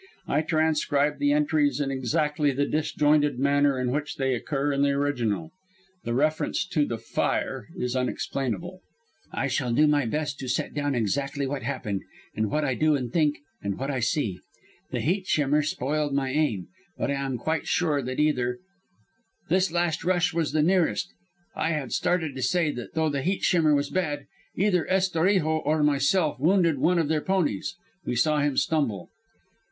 I transcribe the entries in exactly the disjointed manner in which they occur in the original. The reference to the "fire" is unexplainable_.] "I shall do my best to set down exactly what happened and what I do and think, and what I see. "The heat shimmer spoiled my aim, but I am quite sure that either "This last rush was the nearest. I had started to say that though the heat shimmer was bad, either Estorijo or myself wounded one of their ponies. We saw him stumble.